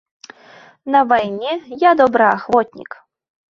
На вайне я добраахвотнік.